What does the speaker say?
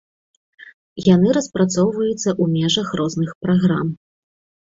Яны распрацоўваюцца ў межах розных праграм.